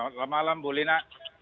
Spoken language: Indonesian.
selamat malam bu lina